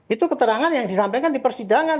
itu keterangan yang disampaikan di persidangan